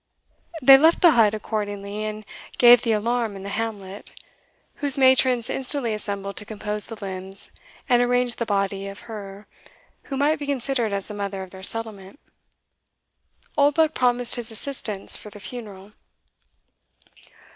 They left the hut accordingly, and gave the alarm in the hamlet, whose matrons instantly assembled to compose the limbs and arrange the body of her who might be considered as the mother of their settlement. Oldbuck promised his assistance for the funeral.